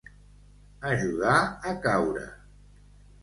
Ajudar a caure.